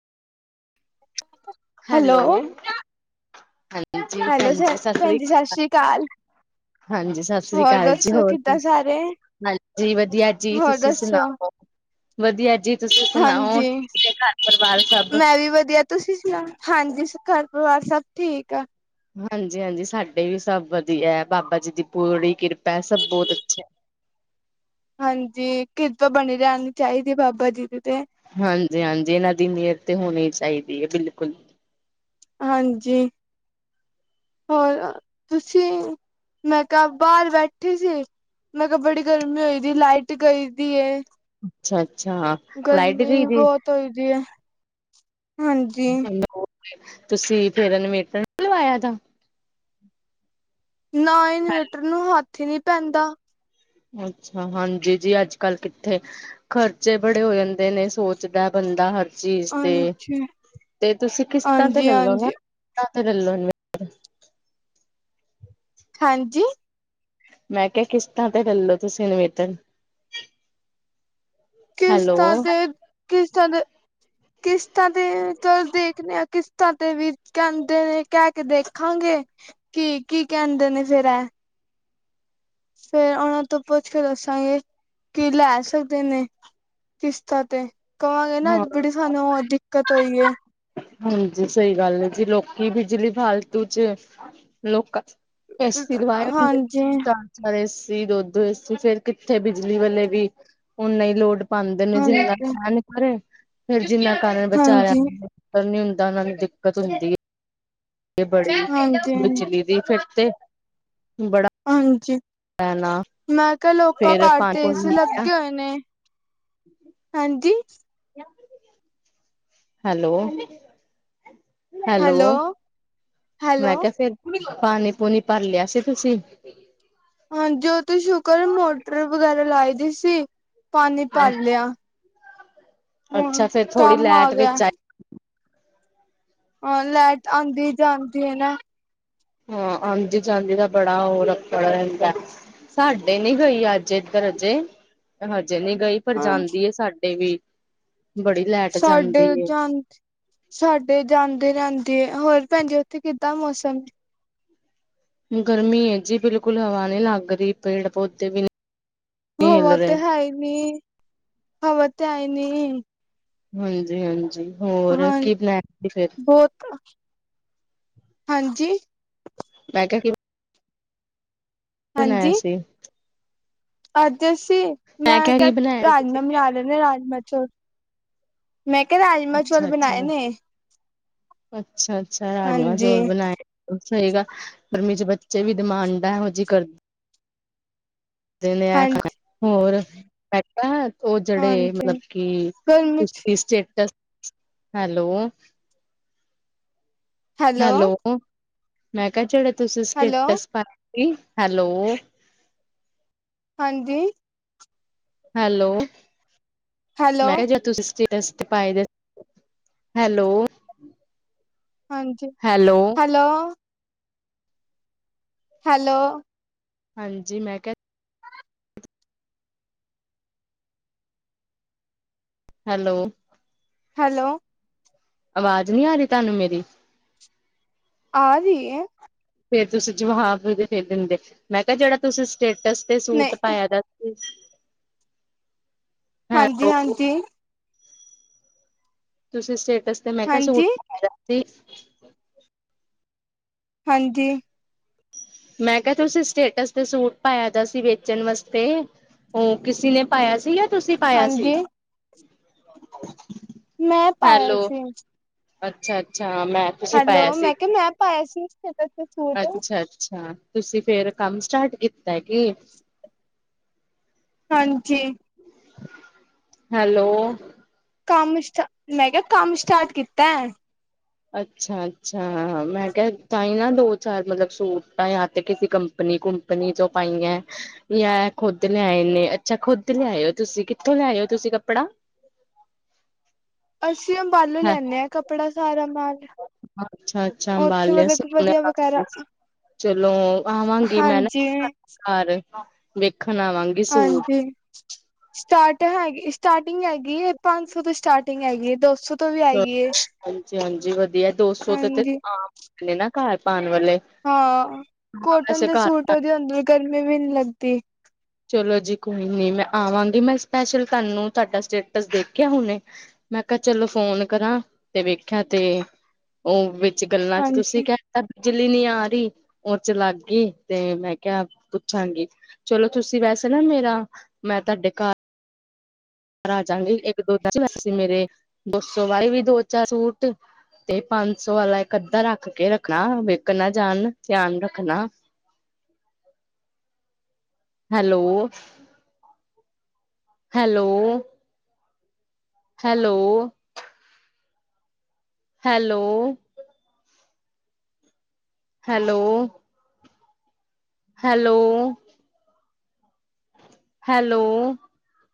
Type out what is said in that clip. Hello ਹਾਂਜੀ! Hello ਹਾਂਜੀ sir ਸਤਿ ਸ੍ਰੀ ਭੈਣ ਜੀ ਅਕਾਲ ਹਾਂਜੀ ਸਤਿ ਸ਼੍ਰੀ ਹੋਰ ਅਕਾਲ ਜੀ ਦੱਸੋ ਹੋਰ ਕਿੱਦਾਂ ਸਾਰੇ? ਹਾਂਜੀ! ਵਧੀਆ ਜੀ ਹੋਰ ਤੁਸੀਂ ਦੱਸੋ? ਸੁਣਾਓ! ਵਧੀਆ ਜੀ ਤੁਸੀਂ ਸੁਣਾਓ! ਹਾਂਜੀ, ਘਰ ਪਰਿਵਾਰ ਸਭ ਮੈਂ ਵੀ ਵਧੀਆ ਤੁਸੀਂ ਸੁਣਾਓ,,, ਹਾਂਜੀ! ਘਰ ਪਰਿਵਾਰ ਸਭ ਠੀਕ ਆ। ਹਾਂਜੀ-ਹਾਂਜੀ ਸਾਡੇ ਵੀ ਸਭ ਵਧੀਆ ਹੈ, ਬਾਬਾ ਜੀ ਦੀ ਪੂਰੀ ਕਿਰਪਾ ਸਭ ਬਹੁਤ ਅੱਛਾ ਹੈ। ਹਾਂਜੀ,, ਕਿਰਪਾ ਬਣੀ ਰਹਿਣੀ ਚਾਹੀਦੀ ਬਾਬਾ ਜੀ ਦੀ ਤੇ। ਹਾਂਜੀ-ਹਾਂਜੀ ਇਹਨਾਂ ਦੀ ਮਿਹਰ ਤੇ ਹੋਣੀ ਚਾਹੀਦੀ ਹੈ। ਬਿਲਕੁਲ,, ਹਾਂਜੀ! ਹੋਰ,, ਤੁਸੀਂ! ਮੈਂ ਤਾ ਬਾਹਰ ਬੈਠੀ ਸੀ। ਮੈਂ ਕਿਹਾ, ਬੜੀ ਗਰਮੀ ਹੋਦੀ ਏ ਲਾਈਟ ਗਈ ਦੀ ਏ,, ਅੱਛਾ-ਅੱਛਾ ਗਰਮੀ ਬਹੁਤ ਹੋਈ ਦੀ ਹੈ। ਤੁਸੀਂ ਫੇਰ ਇਨਵੇਟਰ ਨਹੀ ਲਵਾਇਆ ਦਾ। ਨਾ ਇਨਵੇਟਰ ਨੂੰ ਹੱਥ ਹੀ ਨਹੀਂ ਪੈਂਦਾ। ਅੱਛਾ, ਹਾਂਜੀ ਜੀ ਅੱਜ-ਕੱਲ ਕਿੱਥੇ ਖਰਚੇ ਬੜੇ ਹੋ ਜਾਂਦੇ, ਨੇ ਸੋਚਦਾ ਬੰਦਾ ਚੀਜ਼ ਤੇ ਹਾਂਜੀ, ਤੇ ਤੁਸੀਂ ਕਿਸ਼ਤਾਂ ਤੇ ਹਾਂਜੀ, ਲੈਲੋ ਨਾ ਹਾਂਜੀ। ਕਿਸ਼ਤਾਂ ਲੈਲੋ। ਹਾਂਜੀ, ਮੈਂ ਕਿਹਾ ਕਿਸ਼ਤਾਂ ਤੇ ਲੈਲੋ ਤੁਸੀਂ ਅਨਵੇਟਰ ਹੈਲੋ ਕਿਸ਼ਤਾਂ ਤੇ ਕਿਸ਼ਤਾਂ ਦੇ ਕਿਸ਼ਤਾਂ ਦੇ ਚਲੋ ਦੇਖਦੇ ਆ। ਤੇ ਵੀ ਕਹਿੰਦੇ ਨੇ ਕਹਿ ਕੇ ਦੇਖਾਂਗੇ, ਕੀ ਕੀ ਕਹਿੰਦੇ ਨੇ ਫੇਰ ਐ। ਫੇਰ ਉਹਨਾਂ ਤੋਂ ਪੁੱਛ ਕੇ ਦੱਸਾਂਗੇ, ਕੀ ਲੈ ਸਕਦੇ ਨੇ। ਕਿਸ਼ਤਾਂ ਤੇ ਕਹਾਂਗੇ ਨਾ ਹਾਂ ਬੜੀ ਸਾਨੂੰ ਦਿੱਕਤ ਹੋਈ ਹੈ। ਹਾਂਜੀ ਸਹੀ ਗੱਲ ਹੈ, ਜੀ ਲੋਕੀ ਬਿਜਲੀ ਫਾਲਤੂ ਚ ਲੋਕਾਂ। ਏਸੀ ਦਬਾਏ [inaudible] ਹਾਂਜੀ ਹੁੰ ਏਸੀ ਦੁੱਧ ਏਸੀ, ਫੇਰ ਕਿੱਥੇ ਬਿਜਲੀ ਵਾਲੇ ਵੀ ਹੁਣ ਨਹੀਂ ਲੋੜ ਪਾਦੇ ਨੇ ਜਿੰਨਾ ਹਾਂਜੀ ਹੇਣੀ ਘਰੇ ਫਿਰ ਜਿੰਨਾ ਘਰ ਬਚਾ ਹਾਂਜੀ ਨੀ ਹੁੰਦਾ ਉਹਨਾਂ ਨੂੰ ਦਿੱਕਤ ਹੁੰਦੀ ਹੈ। ਬੜੀ ਹਾਂਜੀ ਬਜਲੀ ਦੀ ਫਿਰ ਤੇ ਬੜਾ ਹਾਂਜੀ, ਨਾ ਮੈਂ ਕਿਹਾ ਲੋਕਾਂ ਫੇਰ ਘਰ ਤੇ ਏਸੀ ਪਾਣੀ, ਲੱਗੇ ਹੋਏ ਨੇ। ਹਾਂਜੀ, [unintelligible] ਹੈਲੋ, ਹੈਲੋ, ਮੈਂ ਹੈਲੋ ਕਿਹਾ ਫਿਰ ਪਾਣੀ ਪੂਣੀ ਭਰ ਲਿਆ ਸੀ ਤੁਸੀਂ? ਹਾਂਜੀ, ਉਹ ਤੋਂ ਸ਼ੁਕਰ ਮੋਟਰ ਵਗੈਰਾ ਲਾਈ ਦੀ ਸੀ, ਪਾਣੀ ਪਾਰ ਲਿਆ। ਅੱਛਾ, ਹੁਣ ਫੇਰ ਥੋੜੀ ਕੰਮ ਆ ਲੈਟ ਗਿਆ ਵਿੱਚ ਆਈ। ਹਾਂ ਲਾਈਟ ਆਂਦੀ ਜਾਂਦੀ ਹੈ ਨਾ, ਹਾਂ ਆਾਂਦੀ ਜਾਂਦੀ ਨਾ ਬੜਾ ਉਹ ਰਫੜ ਰਹਿੰਦਾ। ਸਾਡੇ ਨੀ ਗਈ ਅੱਜ ਇੱਧਰ ਹਜੇ ਹਜੇ ਨੀ ਗਈ। ਪਰ ਹਾਂ ਜਾਂਦੀ ਹੈ ਸਾਡੇ ਵੀ ਬੜੀ, ਲੈਟ ਸਾਡੇ ਜਾਂਦੀ ਏ। ਜਾਂਦੀ ਸਾਡੇ ਜਾਂਦੀ ਰਹਿੰਦੀ ਹੈ ਹੋਰ ਭੈਣ ਜੀ ਉੱਥੇ ਕਿੱਦਾਂ ਮੌਸਮ ਗਰਮੀ ਹੈ, ਜੀ ਬਿਲਕੁਲ ਹਵਾ ਨੀ ਲੱਗ ਰਹੀ ਪੇੜ ਪੌਦੇ ਵੀ ਨਹੀਂ। ਹਿਲ ਹਵਾ ਰਹੇ। ਤੇ ਹੈ ਨੀ ਹਵਾ ਤੇ ਹੈ ਨੀ, ਹਾਂਜੀ-ਹਾਂਜੀ ਹੋਰ ਹਾਂ ਕੀ ਬਣਾਇਆ ਸੀ ਫਿਰ, ਬਹੁਤ ਹਾਂਜੀ, ਮੈਂ ਕਿ ਬਣਾਇਆ ਹਾਂਜੀ ਸੀ। ਅੱਜ ਅਸੀ ਮੈਂ ਕੀ ਕਿਹਾ ਬਣਾਇਆ ਸੀ ਤੁਸੀਂ ਰਾਜਮਾਂ ਫਿਰ? ਬਣਾ ਲੈਂਦੇ ਰਾਜਮਾਂ ਚੋਲ ਮੈਂ ਕਿਹਾ ਰਾਜਮਾਂ ਚੌਲ ਬਣਾਏ ਨੇ, ਅੱਛਾ-ਅੱਛਾ ਰਾਜਮਾਂ ਹਾਂਜੀ ਚੌਲ ਬਣਾਏ। ਸਹੀ ਗਲ ਗਰਮੀ ਚ ਬੱਚੇ ਵੀ ਡਿਮਾਂਡਾ ਹੈ, ਇਹੋ ਜਿਹੀ ਕਰ ਕਰਦੇ ਨੇ ਇਹ ਹਾਂਜੀ ਖਾਣਾ ਹੋਰ ਮੈ ਕਿਹਾ ਉਹ ਜਿਹੜੇ ਮਤਲਬ ਹਾਂਜੀ ਕਿ ਗਰਮੀ ਚ ਉਸਦੀ ਸਟੇਟਸ ਹੈਲੋ ਹੈਲੋ ਮੈਂ ਕਿਹਾ ਜਿਹੜੇ ਤੁਸੀਂ ਹੈਲੋ ਸਟੇਟਸ ਪਾਏ ਸੀ ਹੈਲੋ ਹਾਂਜੀ ਹੈਲੋ ਹੈਲੋ ਮੈਂ ਕਿਹਾ ਜੀ ਤੁਸੀਂ ਸਟੇਟਸ ਪਾਏ ਦੇ ਹੈਲੋ ਹਾਂਜੀ ਹੈਲੋ ਹੈਲੋ ਹੈਲੋ ਹਾਂਜੀ ਮੈਂ ਕਿਹਾ। ਹੈਲੋ। ਹੈਲੋ। ਆਵਾਜ਼ ਨਹੀਂ ਆ ਰਹੀ ਤੁਹਾਨੂੰ ਮੇਰੀ। ਆ ਰਹੀ ਹੈ। ਫਿਰ ਤੁਸੀਂ ਜਵਾਬ ਫਿਰ ਦਿੰਦੇ ਮੈਂ ਕਿਹਾ ਜਿਹੜਾ ਤੁਸੀਂ ਸਟੇਟਸ ਤੇ ਨਹੀਂ ਸੂਟ ਪਾਇਆ ਦਾ। ਹੂ,,, ਹਾਂਜੀ ਹਾਂਜੀ। ਤੁਸੀਂ ਸਟੇਟਸ ਤੇ ਮੈਂ ਕਿਹਾ ਸੂਟ ਹਾਂਜੀ ਪਾਇਆ ਸੀ। ਹਾਂਜੀ। ਮੈਂ ਕਿਹਾ ਤੁਸੀਂ ਸਟੇਟਸ ਤੇ ਸੂਟ ਪਾਇਆ ਦਾ ਸੀ ਵੇਚਣ ਵਾਸਤੇ। ਉਹ ਕਿਸੀ ਨੇ ਪਾਇਆ ਸੀ ਜਾਂ ਤੁਸੀਂ ਪਾਇਆ ਸੀ। ਹਾਂਜੀ ਮੈਂ ਪਾਇਆ ਹੈਲੋ ਸੀ। ਅੱਛਾ ਅੱਛਾ ਮੈਂ। ਤੁਸੀਂ ਹੈਲੋ ਪਾਇਆ ਸੀ ਮੈਂ ਕਿਹਾ ਮੈਂ ਪਾਇਆ ਸੀ ਸਟਟੇਸ ਤੇ। ਸੂਟ ਅੱਛਾ ਅੱਛਾ ਤੁਸੀਂ ਫਿਰ ਕੰਮ ਸਟਾਰਟ ਕੀਤਾ ਕਿ। [inaudible] ਹਾਂਜੀ। ਹੈਲੋ। ਕੰਮ ਸਟਾ ਮੈਂ ਕਿਹਾ ਕੰਮ ਸਟਾਰਟ ਕੀਤਾ ਹੈ। ਅੱਛਾ ਅੱਛਾ ਮੈਂ ਕਿਹਾ ਤਾਂ ਹੀ ਨਾ ਦੋ ਚਾਰ ਮਤਲਬ ਸੂਟਾਂ ਜਾਂ ਤੇ ਕਿਸੇ ਕੰਪਨੀ। ਕੁਪੰਨੀ ਤੋਂ ਪਾਈਆ ਹੈ। ਯਾਰ ਖੁੱਦ ਲਿਆਏ ਨੇ ਅੱਛਾ ਖੁਦ ਲਿਆਇਓ ਤੁਸੀਂ ਕਿੱਥੋਂ ਲਿਆਇਓ ਤੁਸੀਂ ਕੱਪੜਾ। [inaudible] ਅਸੀਂ ਅੰਬਾਲੇ ਲੈਣੇ ਹਾਂ ਕੱਪੜਾ ਸਾਰਾ ਮਾਲ ਅੱਛਾ ਅੱਛਾ ਉੱਥੇ ਅੰਬਾਲੇ ਸੀ ਮਤਲਬ ਵਧੀਆ ਵਗੈਰਾ ਅੰਬਾਲੇ ਸੀ। ਚਲੋ ਆਵਾਂਗੀ ਮੈਂ ਨਾ ਹਾਂਜੀ ਘਰ ਵੇਖਣ ਆਵਾਂਗੀ। ਸੂਟ ਹਾਂਜੀ ਸਟਾਰਟ ਹੈਗੀ ਸਟਾਰਟਿੰਗ ਹੈਗੀ ਹੈ ਪੰਜ ਸੌ ਤੋਂ ਸਟਾਰਟ। ਸਟਾਟਿੰਗ ਹੈਗੀ ਦੌ ਸੌ। ਤੋਂ ਵੀ ਹੈਗੀ ਹੈ ਹਾਂਜੀ ਹਾਂਜੀ ਵਧੀਆ ਦੋ ਸੌ ਤੇ ਤੇ ਹਾਂਜੀ ਆਮ ਨੇ ਨਾ ਘਰ ਪਾਉਣ ਵਾਲੇ। ਹਾਂ ਕੋਟਨ ਵੈਸੇ ਦੇ ਘਰ ਸੂਟ ਪਾ ਉਹਦੀ ਅੰਦਰ ਗਰਮੀ ਵੀ ਨਹੀਂ ਲੱਗਦੀ। ਚਲੋ ਜੀ ਕੋਈ ਨੀ ਮੈਂ ਆਵਾਂਗੀ ਮੈਂ ਸਪੈਸ਼ਲ ਤੁਹਾਨੂੰ ਤੁਹਾਡਾ ਸਟੇਟਸ ਦੇਖਿਆ ਹੁਣੇ। ਮੈਂ ਕਿਹਾ ਚਲੋ ਫੋਨ ਕਰਾਂ ਤੇ ਵੇਖਿਆ ਤੇ ਉਹ। ਚਿਕਨ ਲੰਚ ਹਾਂਜੀ। ਤੁਸੀਂ ਕਹਿਆ। ਬਿਜਲੀ ਨੀ ਆ ਰਹੀ ਉਹ 'ਚ ਲੱਗ ਗਈ ਤੇ ਮੈਂ ਕਿਹਾ ਪੁੱਛਾਂਗੀ। ਚਲੋ ਤੁਸੀਂ ਵੈਸੇ ਨਾ ਮੇਰਾ ਮੈਂ ਤੁਹਾਡੇ ਘਰ। ਬਾਹਰ ਆਜਗੇ ਇੱਕ ਦੋ ਵੈਸੇ ਮੇਰੇ ਦੋ ਔਰ ਸਵਾਈ ਵੀ ਦੋ ਚਾਰ ਸੂਟ। ਤੇ ਪੰਜ ਸੌ ਵਾਲਾ ਇੱਕ ਅੱਧਾ ਰੱਖ ਕੇ ਰੱਖਣਾ ਵਿਕ ਨਾ ਜਾਣ ਧਿਆਨ ਰੱਖਣਾ ਹੈ। Hello. Hello. Hello. Hello. Hello. Hello. Hello.